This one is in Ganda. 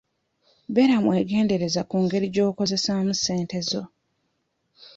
Beera mwegendereza ku ngeri gy'okozesaamu ssente zo.